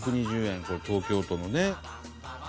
これ東京都のね」